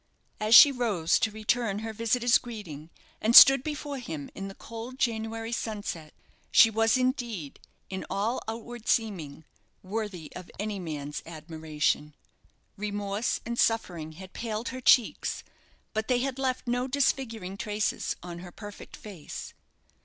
As she rose to return her visitor's greeting, and stood before him in the cold January sunset, she was indeed, in all outward seeming, worthy of any man's admiration. Remorse and suffering had paled her cheeks; but they had left no disfiguring traces on her perfect face.